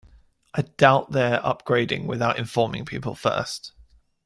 I doubt they're upgrading without informing people first.